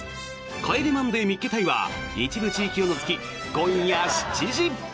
「帰れマンデー見っけ隊！！」は一部地域を除き、今夜７時。